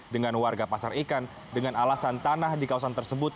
dengan warga pasar ikan dengan alasan tanah di kawasan tersebut